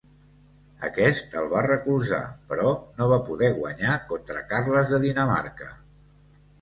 Aquest el va recolzar, però no va poder guanyar contra Carles de Dinamarca.